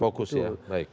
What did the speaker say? fokus ya baik